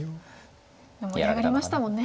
盛り上がりましたもんね。